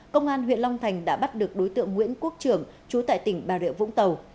công an huyện long thành đã bắt được đối tượng nguyễn quốc trưởng chú tại tỉnh bà rịa vũng tàu